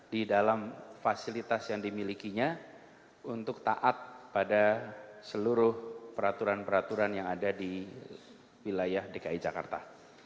di dalam fasilitas yang dimilikinya untuk taat pada seluruh peraturan peraturan yang ada di wilayah dki jakarta